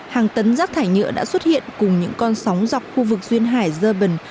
hàng tấn rác thải nhựa đã xuất hiện cùng những con sóng dọc khu vực duyên hải dơ bần